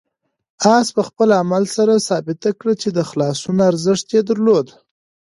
آس په خپل عمل سره ثابته کړه چې د خلاصون ارزښت یې درلود.